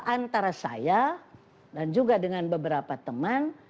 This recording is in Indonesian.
antara saya dan juga dengan beberapa teman